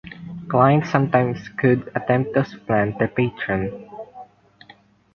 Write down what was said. Clients sometimes could attempt to supplant their patron.